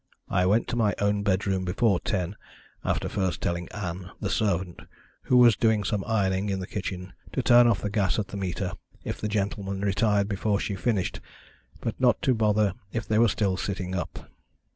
I went to my own bedroom before ten, after first telling Ann, the servant, who was doing some ironing in the kitchen, to turn off the gas at the meter if the gentlemen retired before she finished, but not to bother if they were still sitting up.